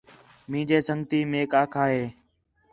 مینجے سنڳتی میک آکھا ہِے